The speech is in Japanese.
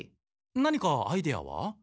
何かアイデアは？